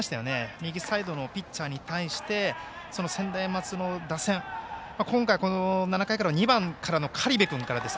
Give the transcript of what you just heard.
右サイドのピッチャーに対して専大松戸の打線、今回、７回は２番の苅部君からです。